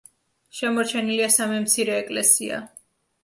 შემორჩენილია სამი მცირე ეკლესია.